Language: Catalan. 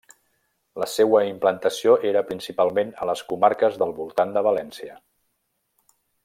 La seua implantació era principalment a les comarques del voltant de València.